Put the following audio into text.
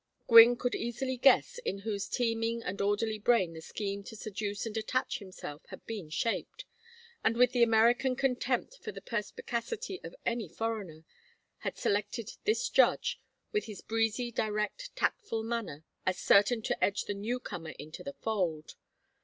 Gwynne could easily guess in whose teeming and orderly brain the scheme to seduce and attach himself had been shaped, and, with the American contempt for the perspicacity of any foreigner, had selected this judge, with his breezy direct tactful manner, as certain to edge the newcomer into the fold.